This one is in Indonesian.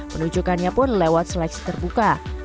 penunjukannya pun lewat seleksi terbuka